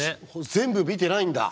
全部見てないんだ。